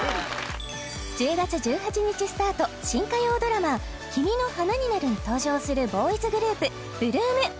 １０月１８日スタート新火曜ドラマ「君の花になる」に登場するボーイズグループ８ＬＯＯＭ